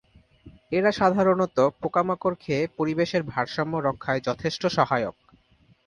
এরা সাধারণত পোকামাকড় খেয়ে পরিবেশের ভারসাম্য রক্ষায় যথেষ্ট সহায়ক।